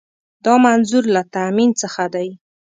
دا منظور له تامین څخه دی.